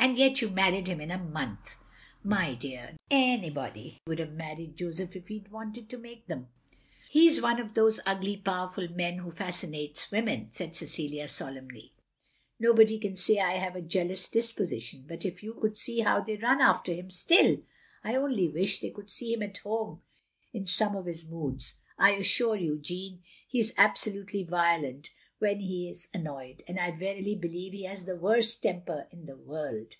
"And yet you married him in a month!" " My dear, anybody wotdd have married Joseph if he 'd wanted to make them. He 's one of those ugly powerful men who fascinate women," said Cecilia solemnly. " Nobody can say I have a jealous disposition, but if you could see how they run after him still! I only wish they could see him at home in some of his moods. I assure you, Jeanne, he is absolutely violent when he is an OF GROSVENOR SQUARE 177 noyed, and I verily believe he has the worst temper in the world.